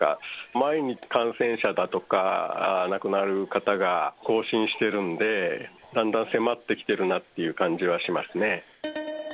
毎日感染者だとか亡くなる方が更新してるんで、だんだん迫ってきてるなって感じはしますね。